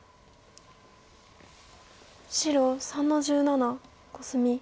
白３の十七コスミ。